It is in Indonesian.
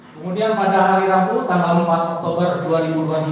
kemudian pada hari rabu tanggal empat oktober dua ribu dua puluh dua